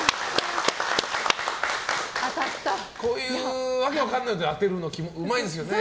こういう訳わからないこと当てるのうまいんですよね。